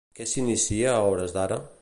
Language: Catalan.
Què s'inicia a hores d'ara?